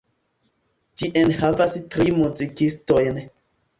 Ĝi enhavas tri muzikistojn.